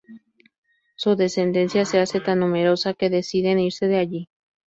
Su descendencia se hace tan numerosa que deciden irse de allí.